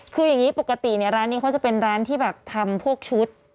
คือปกติร้านนี้เขาจะเป็นร้านที่แบบทำพวกชุด